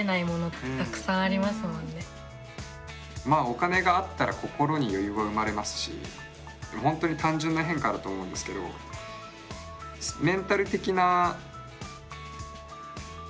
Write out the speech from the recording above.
お金があったら心に余裕が生まれますし本当に単純な変化だと思うんですけどメンタル的な変化はありますよね